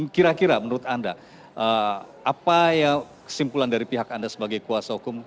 kira kira menurut anda apa kesimpulan dari pihak anda sebagai kuasa hukum